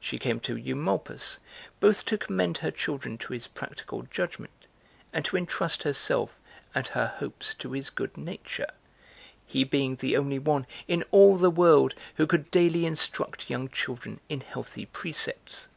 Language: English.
She came to Eumolpus, both to commend her children to his practical judgment and to entrust herself and her hopes to his good nature, he being the only one in all the world who could daily instruct young children in healthy precepts.